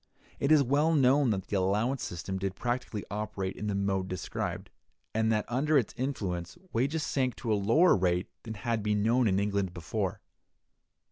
It is well known that the allowance system did practically operate in the mode described, and that under its influence wages sank to a lower rate than had been known in England before.